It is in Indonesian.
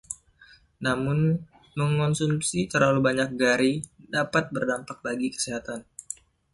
Namun, mengonsumsi terlalu banyak garri dapat berdampak bagi kesehatan.